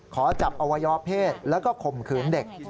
ขอจับอวัยวะเพศแล้วก็ข่มขืนเด็ก